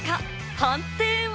判定は？